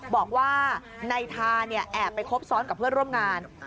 บอกว่านายทาเนี่ยแอบไปคบซ้อนกับเพื่อนร่วมงาน